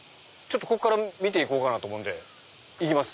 こっから見ていこうと思うんで行きます。